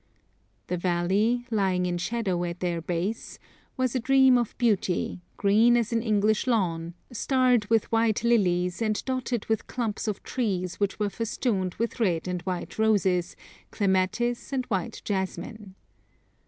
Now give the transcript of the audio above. The valley, lying in shadow at their base, was a dream of beauty, green as an English lawn, starred with white lilies, and dotted with clumps of trees which were festooned with red and white roses, clematis, and white jasmine.